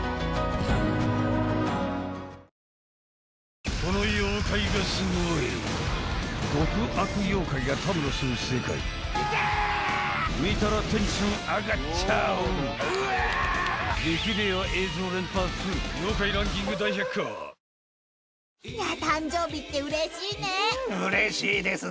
うんうれしいですね。